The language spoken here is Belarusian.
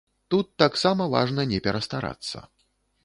Тут таксама важна не перастарацца.